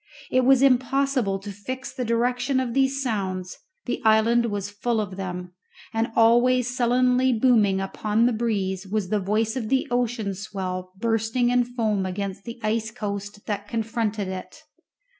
It was impossible to fix the direction of these sounds, the island was full of them; and always sullenly booming upon the breeze was the voice of the ocean swell bursting in foam against the ice coast that confronted it.